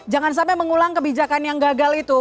jangan sampai mengulang kebijakan yang gagal itu